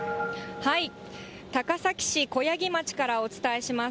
高崎市こやぎ町からお伝えします。